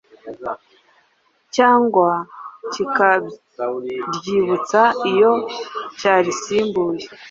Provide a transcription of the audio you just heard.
cyangwa kikaryibutsa iyo cyarisimbuye.